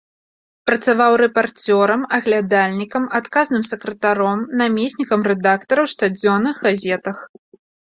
Працаваў рэпарцёрам, аглядальнікам, адказным сакратаром, намеснікам рэдактара ў штодзённых газетах.